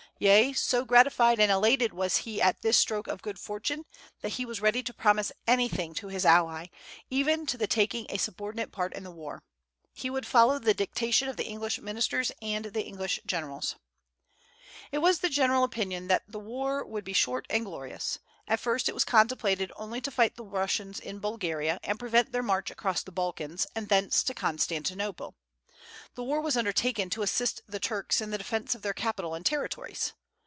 Yea, so gratified and elated was he at this stroke of good fortune, that he was ready to promise anything to his ally, even to the taking a subordinate part in the war. He would follow the dictation of the English ministers and the English generals. It was the general opinion that the war would be short and glorious. At first it was contemplated only to fight the Russians in Bulgaria, and prevent their march across the Balkans, and thence to Constantinople. The war was undertaken to assist the Turks in the defence of their capital and territories.